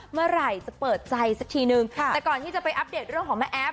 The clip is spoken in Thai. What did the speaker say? เมื่อไหร่จะเปิดใจสักทีนึงแต่ก่อนที่จะไปอัปเดตเรื่องของแม่แอฟ